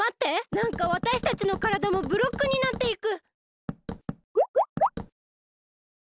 なんかわたしたちのからだもブロックになっていく！